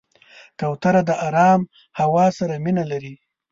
کوتره د آرام هوا سره مینه لري.